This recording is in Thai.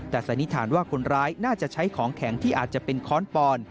แต่สันนิษฐานว่าคนร้ายน่าจะใช้ของแข็งที่อาจจะเป็นค้อนปอน